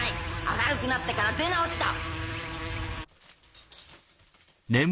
明るくなってから出直しだ。